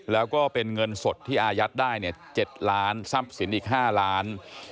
แล้วก็เป็นเงินสดที่อายัดได้๗ล้านทรัพย์สินอีก๕ล้าน